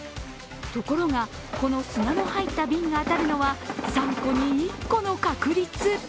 ところが、この砂の入った瓶が当たるのは３個に１個の確率。